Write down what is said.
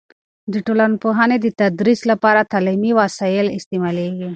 د ټولنپوهنې د تدریس لپاره تعلیمي وسایل استعمالیږي.